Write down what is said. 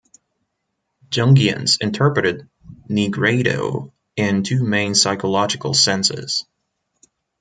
Jungians interpreted nigredo in two main psychological senses.